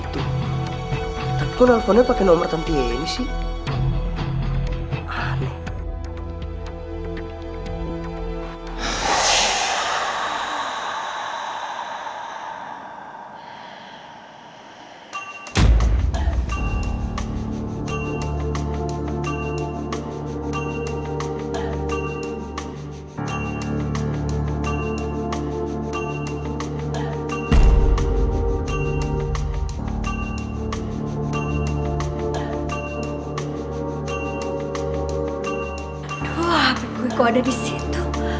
kok aku telepon gak diangkat angkat sih